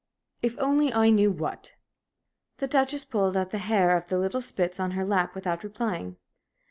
"If I only knew what?" The Duchess pulled at the hair of the little spitz on her lap without replying.